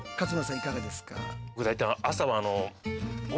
いかがですか？